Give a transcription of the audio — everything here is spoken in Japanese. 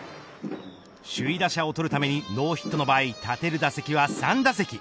首位打者を取るためにノーヒットの場合立てる打席は３打席。